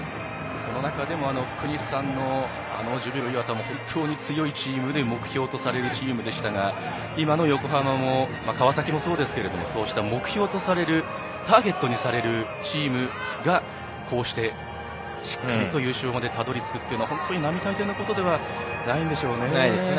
その中でも福西さんのジュビロ磐田も本当に強いチームで目標とされるチームでしたが今の横浜も川崎もそうですけれどもそうした、目標とされるターゲットにされるチームがこうして、しっかりと優勝までたどり着くというのは本当に並大抵のことではないんでしょうね。